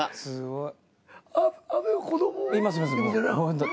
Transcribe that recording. すごい。